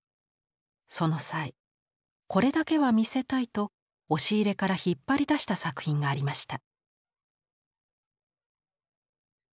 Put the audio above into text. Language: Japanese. その際これだけは見せたいと押し入れから引っ張り出した作品がありました。